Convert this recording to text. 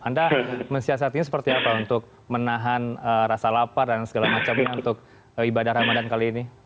anda mensiasatinya seperti apa untuk menahan rasa lapar dan segala macamnya untuk ibadah ramadan kali ini